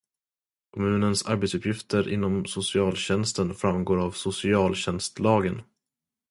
Kommunens arbetsuppgifter inom socialtjänsten framgår av socialtjänstlagen.